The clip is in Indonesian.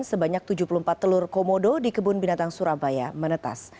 sebanyak tujuh puluh empat telur komodo di kebun binatang surabaya menetas